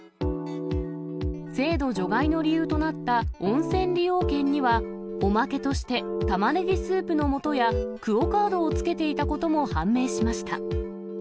制度除外の理由となった温泉利用券には、おまけとして、タマネギスープのもとやクオカードをつけていたことも判明しました。